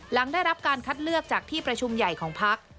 หลังได้รับการคัดเลือกจากที่ประชุมใหญ่ของพัก